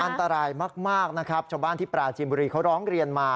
อันตรายมากนะครับชาวบ้านที่ปราจีนบุรีเขาร้องเรียนมา